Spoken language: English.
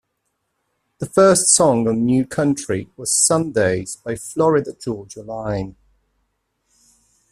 The first song on "New Country" was "Sun Daze" by Florida Georgia Line.